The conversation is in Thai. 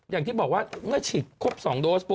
อย่างที่บอกว่าเมื่อฉีดครบ๒โดสปุ